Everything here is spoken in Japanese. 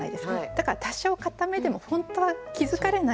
だから多少硬めでも本当は気付かれない。